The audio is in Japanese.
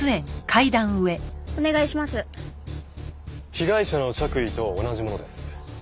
「被害者の着衣と同じものです」